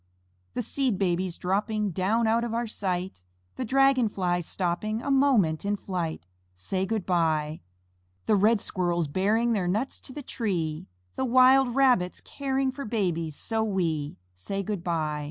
The Seed Babies dropping Down out of our sight, The Dragon flies stopping A moment in flight, Say, "Good by." The red Squirrels bearing Their nuts to the tree, The wild Rabbits caring For babies so wee, Say, "Good by."